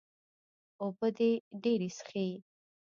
اوبۀ دې ډېرې څښي